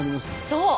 そう！